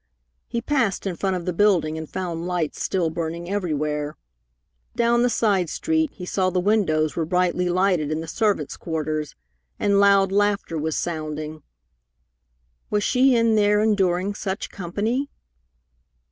He passed in front of the building, and found lights still burning everywhere. Down the side street, he saw the windows were brightly lighted in the servants' quarters, and loud laughter was sounding. Was she in there enduring such company?